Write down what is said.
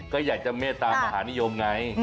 ก็อยากจะเมตตามหานิยมไง